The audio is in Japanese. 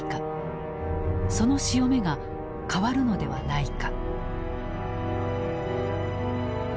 その潮目が変わるのではないか。